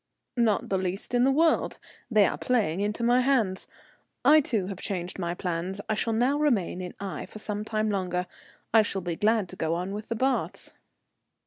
"Not the least in the world, they are playing into my hands. I, too, have changed my plans. I shall now remain in Aix for some time longer. I shall be glad to go on with the baths."